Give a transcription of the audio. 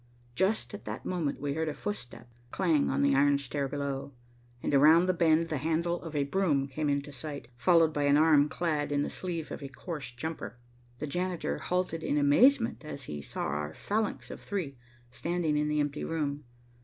Just at that moment we heard a footstep clang on the iron stair below, and around the bend the handle of a broom came into sight, followed by an arm clad in the sleeve of a coarse jumper. The janitor halted in amazement as he saw our phalanx of three standing in the empty room.